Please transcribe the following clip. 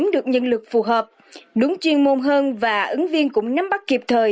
được nhân lực phù hợp đúng chuyên môn hơn và ứng viên cũng nắm bắt kịp thời